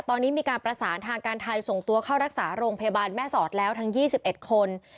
ตอนนี้มีการประสานทางการไทยส่งตัวเข้ารักษาโรงพยาบาลแม่สอดแล้วทั้ง๒๑คน